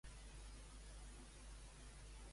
On va néixer Caterina Mieras?